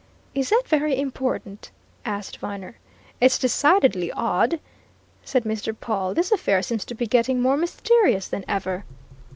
"Is that very important?" asked Viner. "It's decidedly odd!" said Mr. Pawle. "This affair seems to be getting more mysterious than ever."